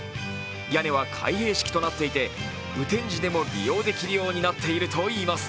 屋根は開閉式となっていて雨天時でも利用できるようになっているといいます。